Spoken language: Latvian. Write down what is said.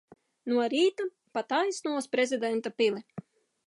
No rīta pa taisno uz prezidenta pili.